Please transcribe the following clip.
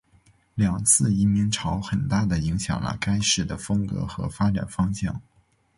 两次移民潮很大的影响了该市的风格和发展方向。